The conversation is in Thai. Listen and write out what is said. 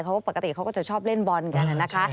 ปกติเขาก็จะชอบเล่นบอลกันนะคะ